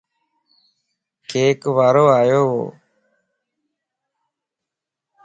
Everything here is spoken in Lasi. ڪيڪ وارو آيووَ